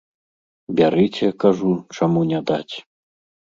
Бярыце, кажу, чаму не даць.